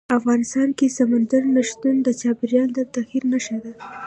افغانستان کې سمندر نه شتون د چاپېریال د تغیر نښه ده.